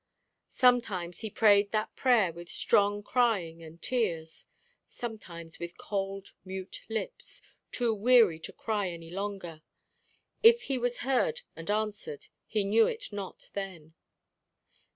Sometimes he prayed that prayer with strong crying and tears; sometimes with cold mute lips, too weary to cry any longer. If he was heard and answered, he knew it not then.